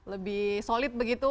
lebih solid begitu